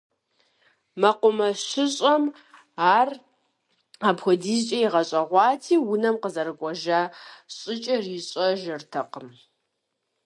МэкъумэшыщӀэм ар апхуэдизкӀэ игъэщӀэгъуати, унэм къызэрыкӀуэжа щӀыкӀэр ищӀэжыртэкъым.